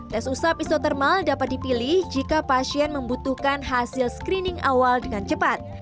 tes usap isotermal dapat dipilih jika pasien membutuhkan hasil screening awal dengan cepat